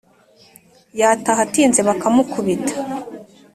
yataha atinze bakamukubita